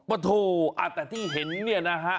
โอ้โธแต่ที่เห็นนะฮะ